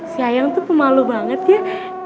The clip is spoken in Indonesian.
si ayang tuh pemalu banget ya